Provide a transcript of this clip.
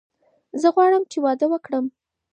زه غواړم چې واده وکړم.